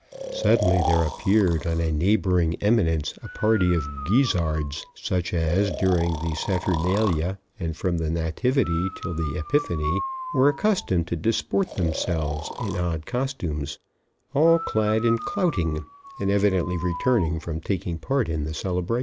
Suddenly there appeared on a neighboring eminence a party of guisards, such as, during the Saturnalia, and from the Nativity till the Epiphany were accustomed to disport themselves in odd costumes; all clad in clouting, and evidently returning from taking part in the celebration.